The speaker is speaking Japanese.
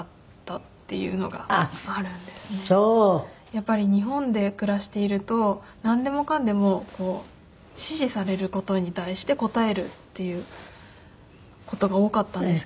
やっぱり日本で暮らしているとなんでもかんでも指示される事に対して応えるっていう事が多かったんですけど。